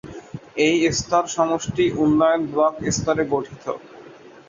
এই স্তর সমষ্টি উন্নয়ন ব্লক স্তরে গঠিত।